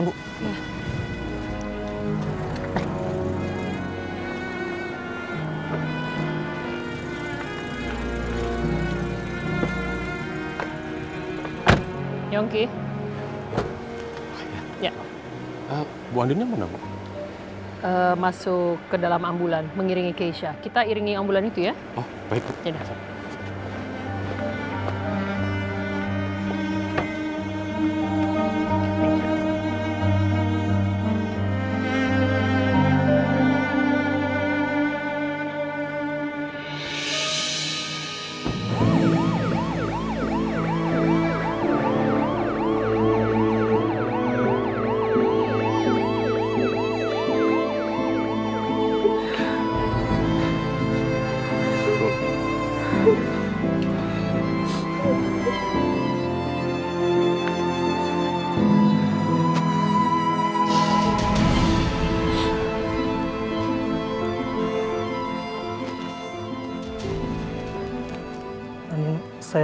mau memantriin ke ambulans